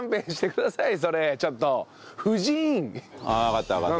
ああわかったわかった。